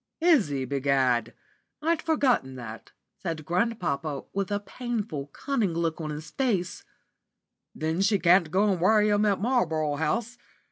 "Is he, begad? I'd forgotten that," said grandpapa, with a painful, cunning look on his face, "then she can go and worry 'em at Marlborough House.